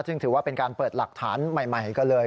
ซึ่งถือว่าเป็นการเปิดหลักฐานใหม่ก็เลย